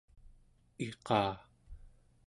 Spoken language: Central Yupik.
iqa